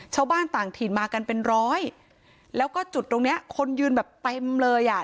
ชาวบ้านต่างถิ่นมากันเป็นร้อยแล้วก็จุดตรงเนี้ยคนยืนแบบเต็มเลยอ่ะ